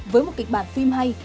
với một kịch bản phim hay